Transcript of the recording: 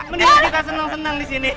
mendingan kita senang senang disini